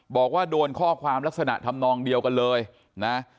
บอกว่าโดนข้อความลักษณะทำนองเดียวกันเลยนะ